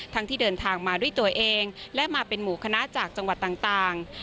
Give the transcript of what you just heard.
ที่เดินทางมาด้วยตัวเองและมาเป็นหมู่คณะจากจังหวัดต่าง